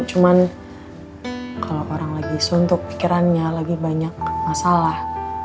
cuman kalau orang lagi suntuk pikirannya lagi banyak masalah